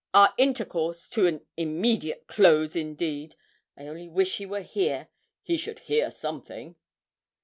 Our intercourse to an "immediate close," indeed! I only wish he were here. He should hear something!'